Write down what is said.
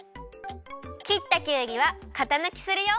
切ったきゅうりはかたぬきするよ。